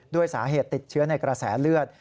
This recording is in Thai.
ด้วยสาเหตุติดเชื้อในกระแสเลือด